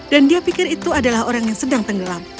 dan dia pikir itu adalah orang yang sedang tenggelam